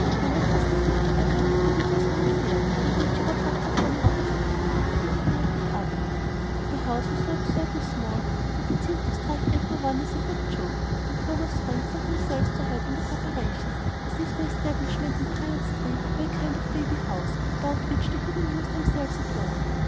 Clover persisted, however, that it was all fair, and that she got lots of fun out of it too, and didn't mind the trouble. The house was so absurdly small that it seemed to strike every one as a good joke; and Clover's friends set themselves to help in the preparations, as if the establishment in Piute Street were a kind of baby house about which they could amuse themselves at will.